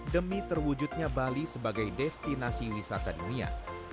demi terwujudnya bali sebagai destinasi wisata dunia